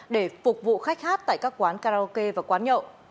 để phục vụ khách hát tại các quán karaoke và quán nhậu